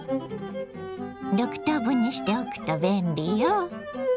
６等分にしておくと便利よ。